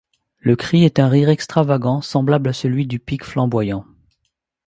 Le cri est un rire extravagant semblable à celui du Pic flamboyant.